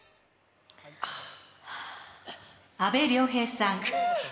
阿部亮平さん